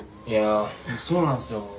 いやそうなんすよ。